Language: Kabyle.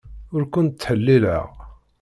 Ur kent-ttḥellileɣ.